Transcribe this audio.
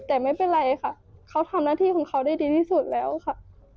แต่ไม่เป็นไรค่ะเขาทำหน้าที่ของเขาได้ดีที่สุดแล้วค่ะ